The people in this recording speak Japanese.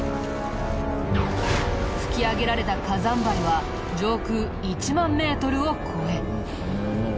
噴き上げられた火山灰は上空１万メートルを超え。